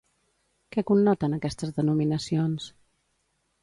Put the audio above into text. Què connoten aquestes denominacions?